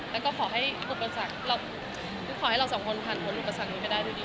แล้วก็ขอให้อุปสรรคคือขอให้เราสองคนผ่านพ้นอุปสรรคนี้ไปได้ด้วยดี